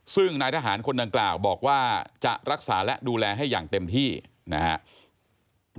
ซึ่งนายทหารคนดังกล่าวบอกว่าจะรักษาและดูแลให้อย่างเต็มที่นะครับ